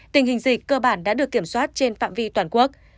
tình hình dịch cơ bản đã được kiểm soát trên phạm vi toàn quốc